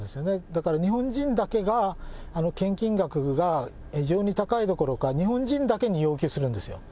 だから日本人だけが献金額が異常に高いどころか、日本人だけに要求するんですよ。